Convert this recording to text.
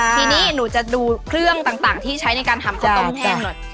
ทีนี้หนูจะดูเครื่องต่างที่ใช้ในการทำข้าวต้มแห้งหน่อย